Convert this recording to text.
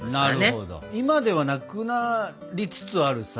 今ではなくなりつつあるさ